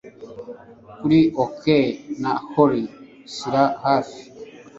Kuri oak na holly shyira hafi